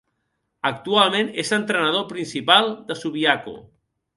Actualment, és entrenador principal de Subiaco.